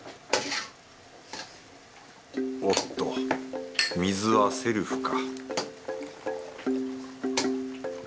おっと水はセルフか